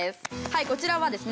こちらはですね